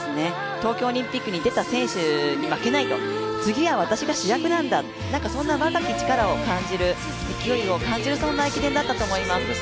東京オリンピックに出た選手に負けないと、次は私主役なんだ、そんな若き力、勢いを感じる駅伝だったと思います。